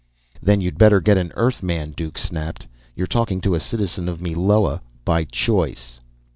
"Then you'd better get an Earthman," Duke snapped. "You're talking to a citizen of Meloa! By choice!"